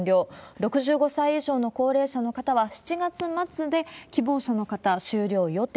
６５歳以上の高齢者の方は、７月末で希望者の方終了予定。